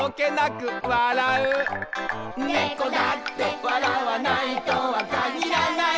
「猫だって笑わないとは限らない」